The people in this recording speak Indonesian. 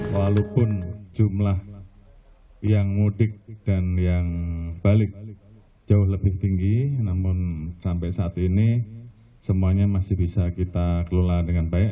walaupun jumlah yang mudik dan yang balik jauh lebih tinggi namun sampai saat ini semuanya masih bisa kita kelola dengan baik